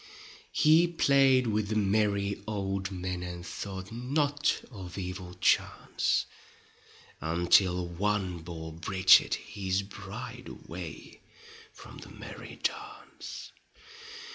He played with the merry old men And thought not of evil chance, Until one bore Bridget his bride Away from the merry dance.